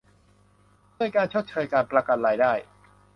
ด้วยการชดเชย การประกันรายได้